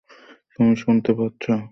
তুমি শুনতে পাচ্ছো?